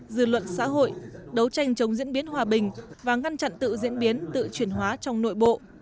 dư luận xã hội đấu tranh chống diễn biến hòa bình và ngăn chặn tự diễn biến tự chuyển hóa trong nội bộ